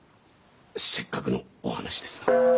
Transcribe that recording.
せっかくのお話ですが。